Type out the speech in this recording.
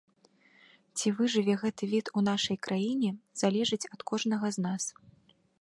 Ці выжыве гэты від у нашай краіне, залежыць ад кожнага з нас.